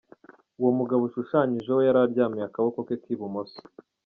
Uwo mugabo ushushanyijeho, yari aryamiye akaboko ke k’ibumoso.